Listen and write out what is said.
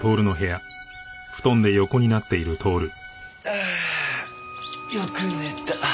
ああよく寝た。